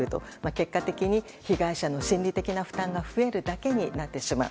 結果的に被害者の心理的な負担が増えるだけになってしまう。